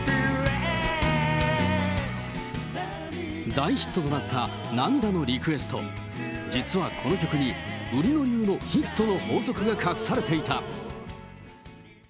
大ヒットとなった涙のリクエスト、実はこの曲に、売野流のヒットの法則が隠されていた。